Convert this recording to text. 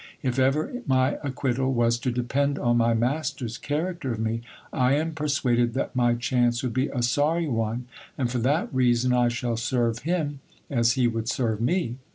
If ever my acquittal was to depend on my master's character of me, I am persuaded that my chance would be a sorry one ; and for that reason, I shall serve him as he would serve me.